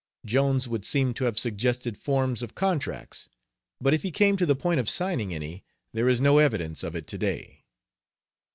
Jones would seem to have suggested forms of contracts, but if he came to the point of signing any there is no evidence of it to day.